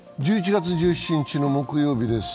１１月１７日の木曜日です。